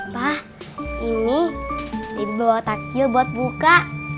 pak ini debbie bawa takjil buat buka